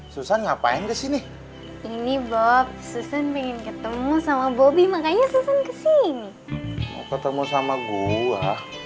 susan ngapain kesini ini bob susan pengen ketemu sama bobby makanya kesini ketemu sama gua